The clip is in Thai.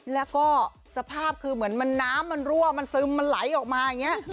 แล้วก็สภาพคือเหมือนน้ำมันรั่วมันซึมมันไหลออกมาอย่างนี้